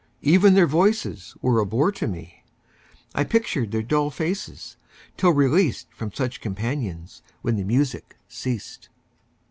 Even their voices were a bore to me; I pictured their dull faces, till released From such companions, when the music ceased.